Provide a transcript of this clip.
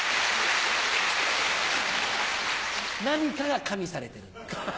何かが加味されてる。